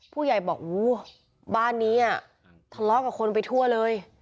ผู้ใหญ่บอกบ้านนี้ทะเลาะกับคนไปทั่วเลย